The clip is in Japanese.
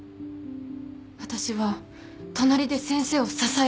私は隣で先生を支えたい。